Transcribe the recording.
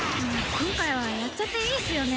今回はやっちゃっていいっすよね？